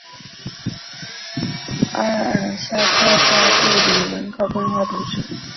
阿尔夏克下布里人口变化图示